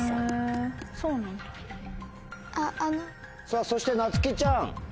さぁそしてなつきちゃん。